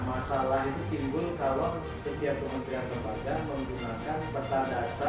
masalah itu timbul kalau setiap pemerintah kembangkan